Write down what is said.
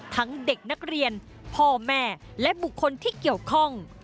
เด็กนักเรียนพ่อแม่และบุคคลที่เกี่ยวข้อง